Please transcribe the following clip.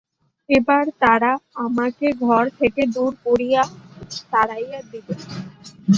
এবার তারা আমাকে ঘর থেকে দুর করিয়া তাড়াইয়া দিবে।